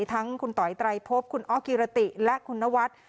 ทั้งคุณต๋อยไตรพบคุณอ๊อกกิรติและคุณนวัฒน์